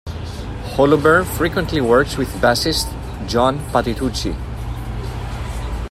Holober frequently works with bassist John Patitucci.